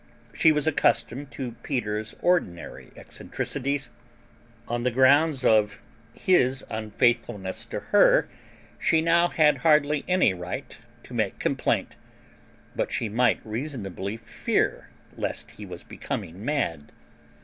She was accustomed to Peter's ordinary eccentricities. On the ground of his unfaithfulness to her she now had hardly any right to make complaint. But she might reasonably fear lest he was becoming mad.